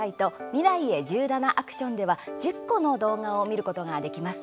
「未来へ１７ａｃｔｉｏｎ」では、１０個の動画を見ることができます。